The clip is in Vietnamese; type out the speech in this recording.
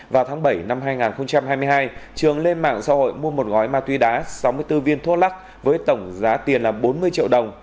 vào tháng bảy năm hai nghìn hai mươi hai trường lên mạng xã hội mua một gói ma túy đá sáu mươi bốn viên thuốc lắc với tổng giá tiền là bốn mươi triệu đồng